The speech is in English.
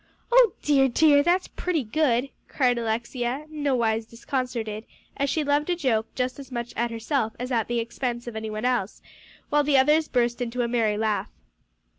"Oh dear, dear! that's pretty good," cried Alexia, nowise disconcerted, as she loved a joke just as much at herself as at the expense of any one else, while the others burst into a merry laugh.